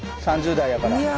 ３０代やから。